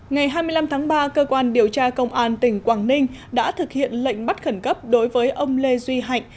ngày hai mươi năm tháng ba cơ quan điều tra công an tỉnh quảng ninh đã thực hiện lệnh bắt khẩn cấp đối với ông lê duy hạnh